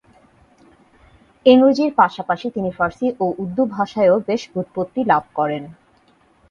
ইংরেজির পাশাপাশি তিনি ফারসি ও উর্দু ভাষায়ও বেশ ব্যুৎপত্তি লাভ করেন।